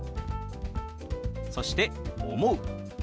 そして「思う」。